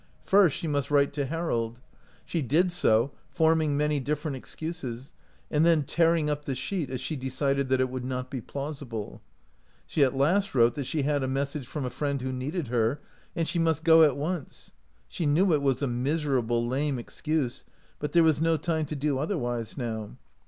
First she must write to Harold. She did so, forming many different excuses, and then tearing up the sheet as she decided that it would not be plausible. She at last wrote that she had a message from a friend who needed her, and she must go at once. She knew it was a miserable, lame excuse, but there was no time to do otherwise now.